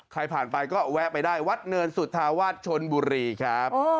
ใครผ่านไปก็แวะไปได้วัดเนินสุธาวาสชนบุรีครับ